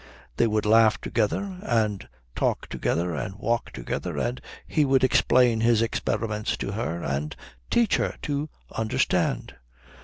They would laugh together and talk together and walk together, and he would explain his experiments to her and teach her to understand.